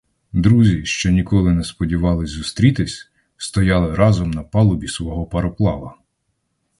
Друзі, що ніколи не сподівались зустрітись, стояли разом на палубі свого пароплава.